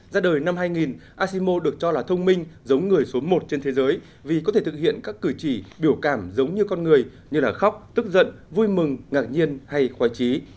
ra đời năm hai nghìn asimo được cho là thông minh giống người số một trên thế giới vì có thể thực hiện các cử chỉ biểu cảm giống như con người như là khóc tức giận vui mừng ngạc nhiên hay khoai trí